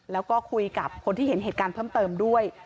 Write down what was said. แล้วก็คุยกับคนที่เห็นเหตุการณ์เพิ่มเติมด้วย